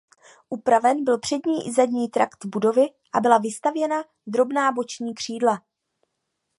Upraven byl přední i zadní trakt budovy a byla vystavěna drobná boční křídla.